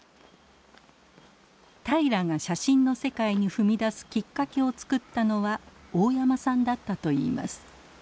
平良が写真の世界に踏み出すきっかけをつくったのは大山さんだったといいます。